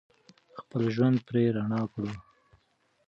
خپل ژوند پرې رڼا کړو.